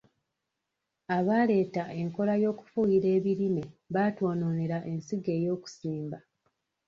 Abaaleeta enkola ey'okufuuyira ebirime baatwonoonera ensigo ey'okusimba.